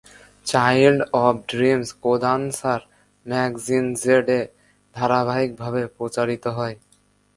Child of Dreams কোদানশার "magazine জেড"-এ ধারাবাহিকভাবে প্রচারিত হয়।